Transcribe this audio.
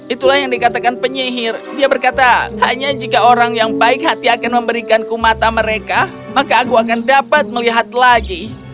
itulah yang dikatakan penyihir dia berkata hanya jika orang yang baik hati akan memberikanku mata mereka maka aku akan dapat melihat lagi